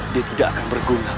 dia tidak akan berguna